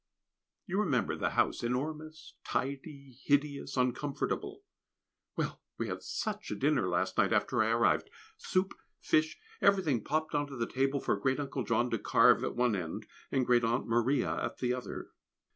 You remember the house enormous, tidy, hideous, uncomfortable. Well, we had such a dinner last night after I arrived soup, fish, everything popped on to the table for Great uncle John to carve at one end, and Great aunt Maria at the other!